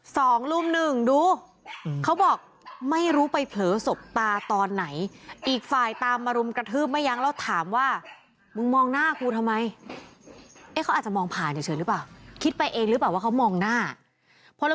สองรุ่มหนึ่งดูเขาบอกไม่รู้ไปเผลอศพตาตอนไหนอีกฝ่ายตามมารุมกระทืบไม่ยั้งแล้วถามว่ามึงมองหน้ากูทำไมเอ๊ะเขาอาจจะมองผ่านเฉยหรือเปล่าคิดไปเองหรือเปล่าว่าเขามองหน้า